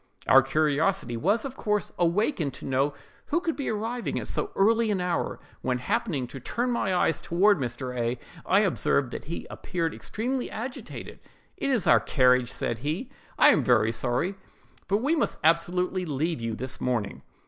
Our curiosity was, of course, awakened to know who could be arriving at so early an hour; when, happening to turn my eyes toward Mr. A——, I observed that he appeared extremely agitated. 'It is our carriage!' said he; 'I am very sorry, but we must absolutely leave you this morning.